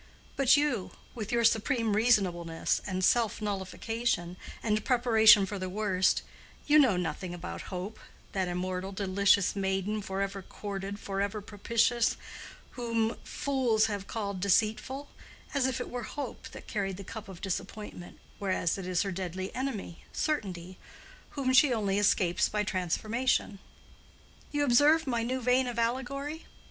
But you, with your supreme reasonableness, and self nullification, and preparation for the worst—you know nothing about Hope, that immortal, delicious maiden forever courted forever propitious, whom fools have called deceitful, as if it were Hope that carried the cup of disappointment, whereas it is her deadly enemy, Certainty, whom she only escapes by transformation. (You observe my new vein of allegory?)